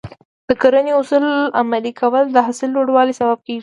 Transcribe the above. د کرنې اصول عملي کول د حاصل لوړوالي سبب کېږي.